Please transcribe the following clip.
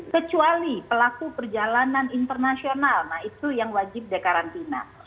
kecuali pelaku perjalanan internasional nah itu yang wajib dikarantina